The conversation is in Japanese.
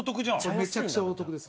めちゃくちゃお得です。